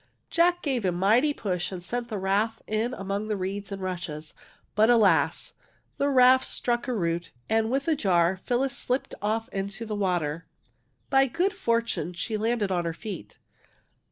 Jack gave a mighty push and sent the raft in among the reeds and rushes. But, alas, the raft struck a root, and with the jar Phyllis slipped ofl into the water. By good fortune she landed on her feet.